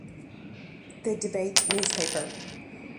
The Debate Newspaper.